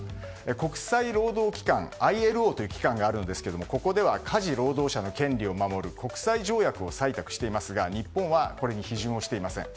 国際労働機関・ＩＬＯという機関があるんですがここでは家事労働者の権利を守る国際条約を採択していますが日本はこれに批准していません。